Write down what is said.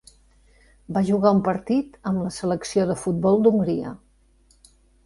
Va jugar un partit amb la selecció de futbol d'Hongria.